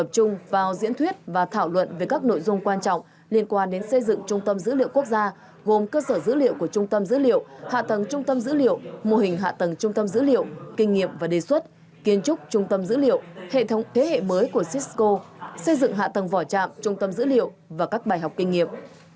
trung thuyết và thảo luận về các nội dung quan trọng liên quan đến xây dựng trung tâm dữ liệu quốc gia gồm cơ sở dữ liệu của trung tâm dữ liệu hạ tầng trung tâm dữ liệu mô hình hạ tầng trung tâm dữ liệu kinh nghiệm và đề xuất kiến trúc trung tâm dữ liệu hệ thống thế hệ mới của sisco xây dựng hạ tầng vỏ trạm trung tâm dữ liệu và các bài học kinh nghiệm